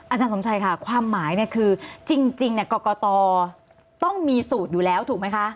อาจารย์สมชัยค่ะความหมายเนี่ยคือจริงกรกตต้องมีสูตรอยู่แล้วถูกไหมคะ